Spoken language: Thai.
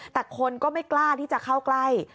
แต่คนก็ไม่กล้าที่จะเข้าใกล้